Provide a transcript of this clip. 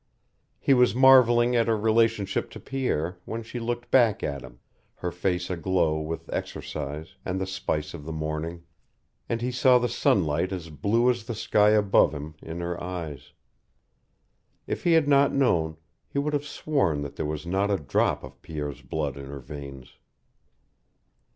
He was marveling at her relationship to Pierre when she looked back at him, her face aglow with exercise and the spice of the morning, and he saw the sunlight as blue as the sky above him in her eyes. If he had not known, he would have sworn that there was not a drop of Pierre's blood in her veins.